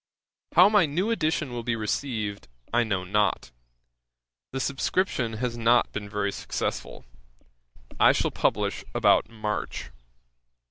'How my new edition will be received I know not; the subscription has not been very successful. I shall publish about March.